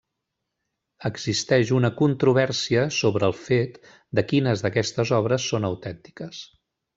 Existeix una controvèrsia sobre el fet de quines d'aquestes obres són autèntiques.